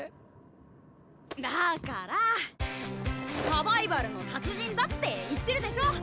だからサバイバルの達人だって言ってるでしょ！